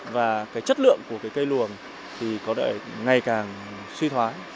và cái chất lượng của cây luồng thì có đợi ngày càng suy thoái